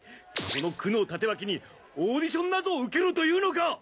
この九能帯刀にオーディションなぞを受けろと言うのか！